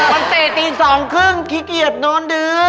มันเต่ะตีสองครึ่งขี้เกียจโนนดึก